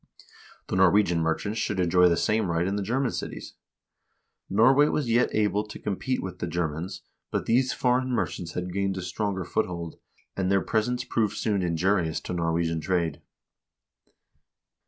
The Norwegian merchants should enjoy the same right in the German cities. Norway was yet able to compete with the Ger mans, but these foreign merchants had gained a stronger foothold, and their presence soon proved injurious to Norwegian trade.